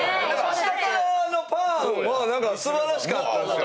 下からのパンがすばらしかったですよ。